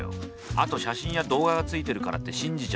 あと写真や動画がついてるからって信じちゃ駄目。